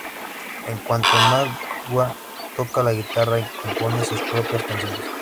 En cuanto Najwa, toca la guitarra y compone sus propias canciones.